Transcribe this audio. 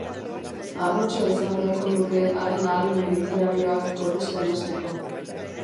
Harrotxoa izan beharko nuke haren ahalmen literarioak goresten hasteko.